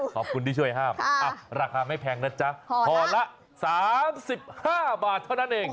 ขอบคุณที่ช่วยห้ามราคาไม่แพงนะจ๊ะห่อละ๓๕บาทเท่านั้นเอง